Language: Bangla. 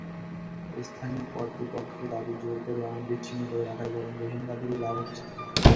স্থানীয় কর্তৃপক্ষের দাবি, জোর করে এমন বিচ্ছিন্ন করে রাখায় বরং রোহিঙ্গাদেরই লাভ হচ্ছে।